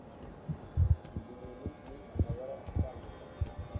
Izi nyoni ni amabara atandukanye.